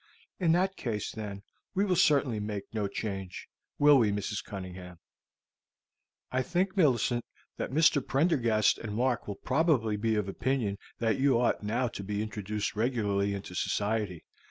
"In that case, then, we will certainly make no change, will we, Mrs. Cunningham?" "I think, Millicent, that Mr. Prendergast and Mark will probably be of opinion that you ought now to be introduced regularly into society.